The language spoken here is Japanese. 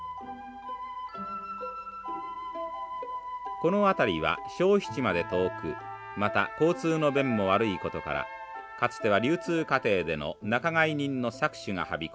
この辺りは消費地まで遠くまた交通の便も悪いことからかつては流通過程での仲買人の搾取がはびこりました。